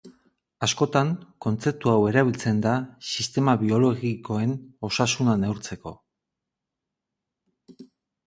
Askotan, kontzeptu hau erabiltzen da sistema biologikoen osasuna neurtzeko.